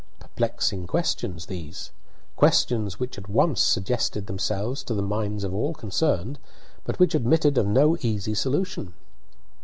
Perplexing questions these questions which at once suggested themselves to the minds of all concerned, but which admitted of no easy solution.